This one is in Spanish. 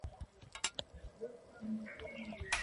La gran concha de esta especie tiene varices prominentes.